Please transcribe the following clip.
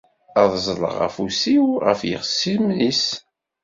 Ad ẓẓleɣ afus-iw ɣef yixṣimen-is.